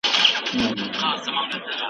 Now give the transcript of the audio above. احمد شاه بابا د بریا وروسته څه وکړل؟